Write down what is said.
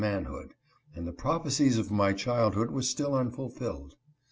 195 manhood, and the prophesies of my childhood were still unfulfilled.